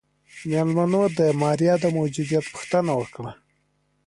مېلمنو د ماريا د موجوديت پوښتنه وکړه.